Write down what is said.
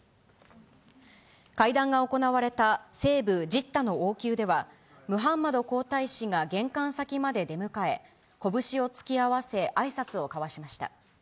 会談が行われた西部ジッダの王宮では、ムハンマド皇太子が玄関先まで出迎え、拳を突き合わせ、あいさつを交わしました。